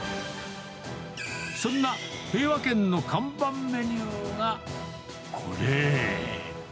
そんな平和軒の看板メニューが、これ。